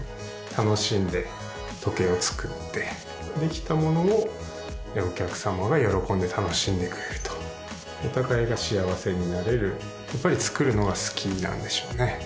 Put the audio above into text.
楽しんで時計をつくってできたものをお客様が喜んで楽しんでくれるとお互いが幸せになれるやっぱりつくるのが好きなんでしょうね